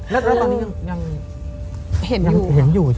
แล้วตอนนี้ยังเห็นอยู่